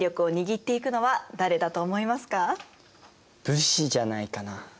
武士じゃないかな？